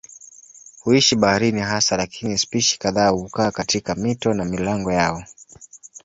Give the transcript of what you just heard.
Huishi baharini hasa lakini spishi kadhaa hukaa katika mito na milango yao.